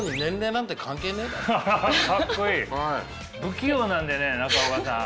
不器用なんでね中岡さん。